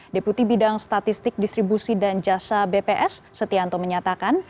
deputi bidang statistik distribusi dan jasa bps setianto menyatakan